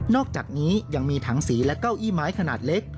อกจากนี้ยังมีถังสีและเก้าอี้ไม้ขนาดเล็ก